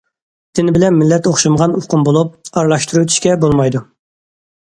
دىن بىلەن مىللەت ئوخشىمىغان ئۇقۇم بولۇپ، ئارىلاشتۇرۇۋېتىشكە بولمايدۇ.